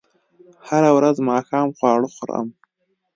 هره ورځ ماښام خواړه خورم